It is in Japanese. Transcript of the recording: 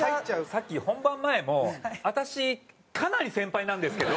さっき本番前も私かなり先輩なんですけど。